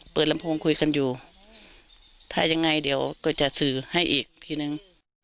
ลำโพงคุยกันอยู่ถ้ายังไงเดี๋ยวก็จะสื่อให้อีกทีนึง